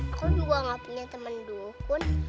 aku juga gak punya temen dukun